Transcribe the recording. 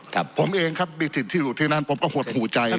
ครับผมเองครับมีถิ่นที่อยู่ที่นั้นผมก็หดหูใจ